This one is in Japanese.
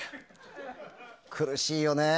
苦しいよね。